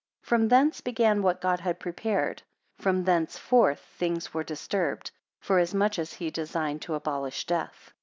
14 From thence began what God had prepared: from thence. forth things were disturbed; forasmuch as he designed to abolish death.